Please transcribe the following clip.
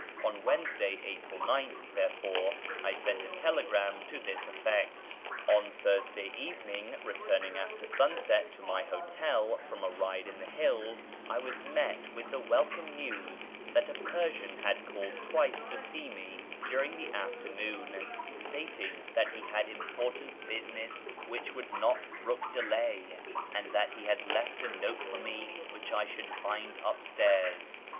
On Wednesday, April 9th, therefore, I sent a telegram to this effect. On Thursday evening, returning [page xxix] after sunset to my hotel from a ride in the hills, I was met with the welcome news that a Persian had called twice to see me during the afternoon stating that he had important business which would not brook delay, and that he had left a note for me which I should find upstairs.